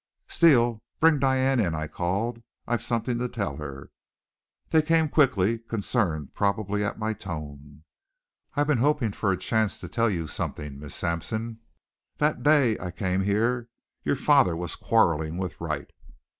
"Steele, bring Diane in!" I called. "I've something to tell her." They came quickly, concerned probably at my tone. "I've been hoping for a chance to tell you something, Miss Sampson. That day I came here your father was quarreling with Wright.